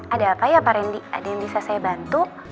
ada apa ya pak rendy ada yang bisa saya bantu